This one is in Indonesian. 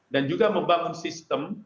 dan juga membangun sistem